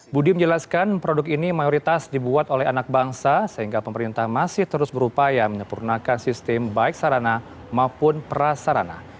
budi menjelaskan produk ini mayoritas dibuat oleh anak bangsa sehingga pemerintah masih terus berupaya menyempurnakan sistem baik sarana maupun prasarana